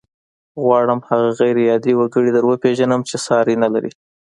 غواړم هغه غير عادي وګړی در وپېژنم چې ساری نه لري.